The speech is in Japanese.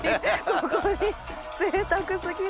ここにぜいたく過ぎる。